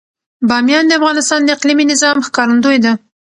بامیان د افغانستان د اقلیمي نظام ښکارندوی ده.